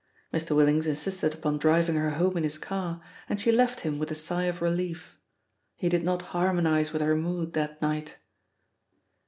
Mr. Willings insisted upon driving her home in his car, and she left him with a sigh of relief. He did not harmonise with her mood that night.